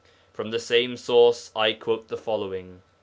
From the same source I quote the following.